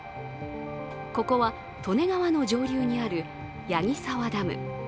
ここは利根川の上流にある矢木沢ダム。